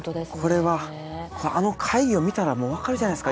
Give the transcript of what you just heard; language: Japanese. これはあの会議を見たらもう分かるじゃないですか。